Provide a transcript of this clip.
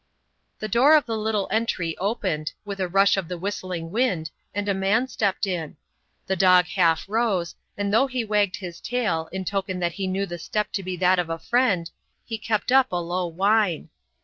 The door of the little entry opened, with a rush of the whistling wind, and a man stepped in. The dog half rose, and though he wagged his tail, in token that he knew the step to be that of a friend, he kept up a low whine.